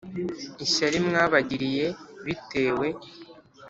ishyari mwabagiriye bitewe